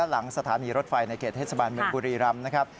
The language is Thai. หลังสถานีรถไฟในเขตเทศบาลเมืองบุรีรำนะครับ